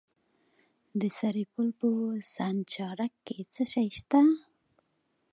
د سرپل په سانچارک کې څه شی شته؟